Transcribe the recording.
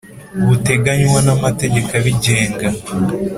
buteganywa n amategeko abigenga